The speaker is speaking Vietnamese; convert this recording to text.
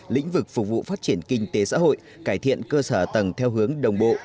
lĩnh vực phục vụ phát triển kinh tế xã hội cải thiện cơ sở tầng theo hướng đồng bộ